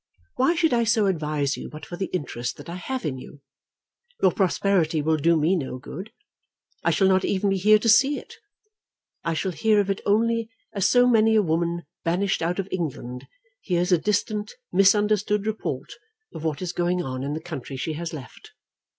Why should I so advise you but for the interest that I have in you? Your prosperity will do me no good. I shall not even be here to see it. I shall hear of it only as so many a woman banished out of England hears a distant misunderstood report of what is going on in the country she has left.